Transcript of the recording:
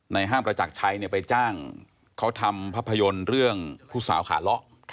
ห้างประจักรชัยไปจ้างเขาทำภาพยนตร์เรื่องผู้สาวขาเลาะ